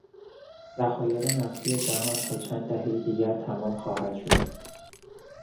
ذخایر نفتی جهان تا چند دههی دیگر تمام خواهد شد.